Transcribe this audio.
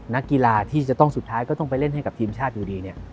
นักกีฬาที่จะต้องสุดท้ายก็ต้องไปเล่นให้กับทีมชาติอยู่ดีเนี่ย